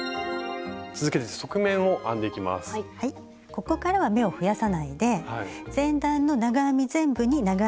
ここからは目を増やさないで前段の長編み全部に長編みを１目ずつ。